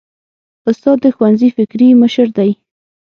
استاد د ښوونځي فکري مشر دی.